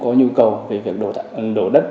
có nhu cầu về việc đổ đất